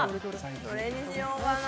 どれにしようかな